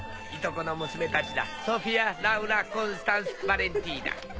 いとこの娘たちだソフィアラウラコンスタンスヴァレンティーナ。